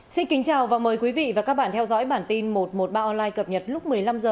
xin kính chào và mời quý vị và các bạn theo dõi bản tin một trăm một mươi ba online cập nhật lúc một mươi năm h